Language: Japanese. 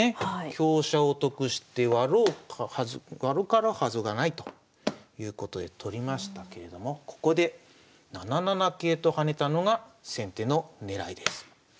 香車を得してわろかるはずがないということで取りましたけれどもここで７七桂と跳ねたのが先手の狙いです。